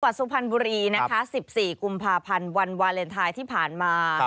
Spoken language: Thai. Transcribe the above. สุพรรณบุรีนะคะ๑๔กุมภาพันธ์วันวาเลนไทยที่ผ่านมา